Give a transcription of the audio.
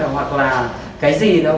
hoặc là cái gì đâu